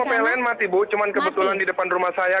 semua pln mati bu cuma kebetulan di depan rumah saya